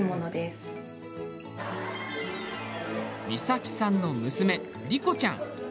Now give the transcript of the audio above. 三咲さんの娘・莉心ちゃん。